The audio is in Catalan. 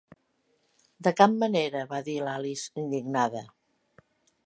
"De cap manera!", va dir l'Alice, indignada.